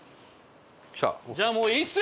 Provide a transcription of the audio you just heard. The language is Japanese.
じゃあもういいっすよ